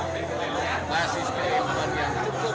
kelembangan yang cukup